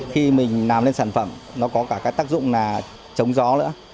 khi mình làm lên sản phẩm nó có cả cái tác dụng là chống gió nữa